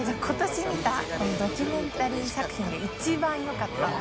Ｇドキュメンタリー作品で一番よかった。